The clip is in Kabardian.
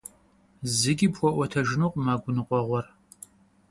ЗыкӀи пхуэӀуэтэжынукъым а гуныкъуэгъуэр.